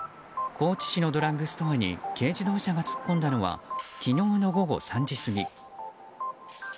高知市のドラッグストアに軽自動車が突っ込んだのは昨日の午後３時過ぎ。